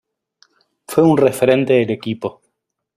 Fue un referente del equipo.